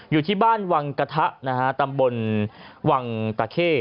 อยู่ที่บ้านวังกะทะตำบลวังตะแค่